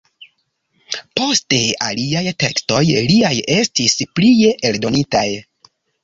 Poste aliaj tekstoj liaj estis plie eldonitaj.